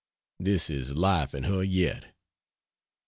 This is life in her yet.